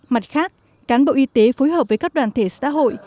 mặt khác cán bộ y tế phối hợp với các đoàn thể xã hội